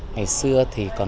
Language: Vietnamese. ngày xưa thì